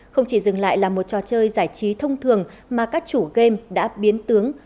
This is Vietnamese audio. không chỉ dừng lại là một trò chơi giải trí thông thường mà các chủ game đã biến tướng